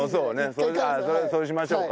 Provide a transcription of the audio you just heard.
それじゃあそうしましょうか？